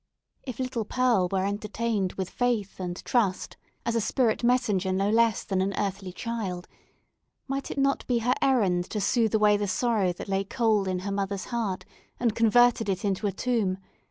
If little Pearl were entertained with faith and trust, as a spirit messenger no less than an earthly child, might it not be her errand to soothe away the sorrow that lay cold in her mother's heart, and converted it into a tomb?